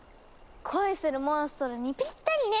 恋するモンストロにぴったりね！